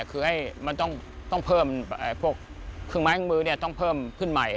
คือให้มันต้องเพิ่มพวกผึ้งไม้ข้างมือต้องเพิ่มผึ้นใหม่